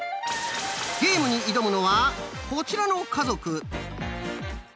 ゲームに挑むのはこちらの家族。